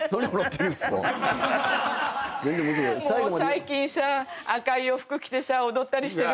最近さ赤い洋服着てさ踊ったりしてるから。